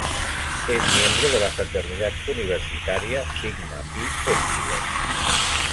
Es miembro de la fraternidad universitaria Sigma Phi Epsilon.